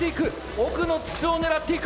奥の筒を狙っていく。